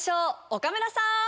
岡村さん。